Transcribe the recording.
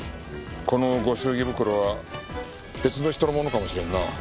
このご祝儀袋は別の人のものかもしれんな。